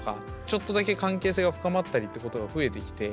ちょっとだけ関係性が深まったりってことが増えてきて。